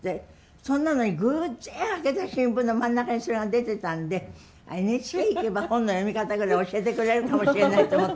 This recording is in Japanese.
それなのに偶然開けた新聞の真ん中にそれが出てたんでＮＨＫ行けば本の読み方ぐらい教えてくれるかもしれないと思って